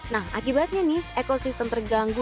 nah akibatnya nih ekosistem terganggu